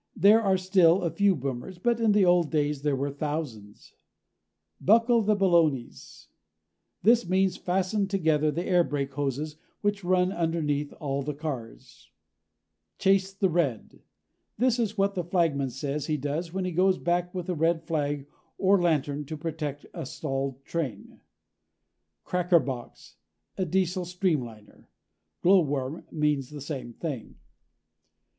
There are still a few boomers, but in the old days there were thousands. BUCKLE THE BALONIES this means fasten together the air brake hoses which run underneath all the cars. CHASE THE RED this is what the flagman says he does when he goes back with a red flag or lantern to protect a stalled train. CRACKER BOX a Diesel streamliner. Glowworm means the same thing.